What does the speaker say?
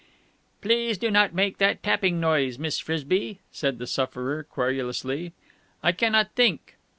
"Please do not make that tapping noise, Miss Frisby," said the sufferer querulously. "I cannot think.